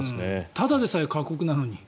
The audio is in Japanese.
ただでさえ過酷なのに。